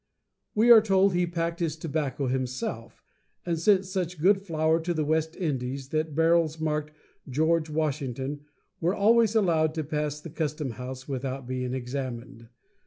We are told he packed his tobacco himself, and sent such good flour to the West Indies that barrels marked "George Washington" were always allowed to pass the customhouse without being examined.